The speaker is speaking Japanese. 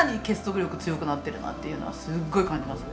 力強くなってるなっていうのはすっごい感じますね。